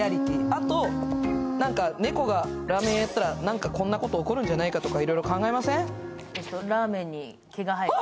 あと、なんか猫がラーメン屋やったらこんなこと起こるんじゃないかって考えません？